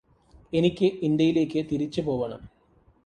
എനിക്ക് ഇന്ത്യയിലേക്ക് തിരിച്ചുപോവണം